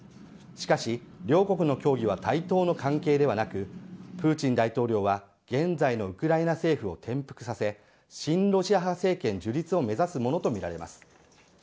しかし、両国の協議は対等の関係ではなくプーチン大統領は現在のウクライナ政府を転覆させ親ロシア派政権樹立を目指すものとみられます。